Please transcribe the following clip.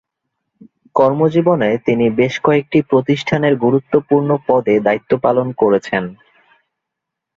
কর্মজীবনে তিনি বেশ কয়েকটি প্রতিষ্ঠানের গুরুত্বপূর্ণ পদে দায়িত্ব পালন করেছেন।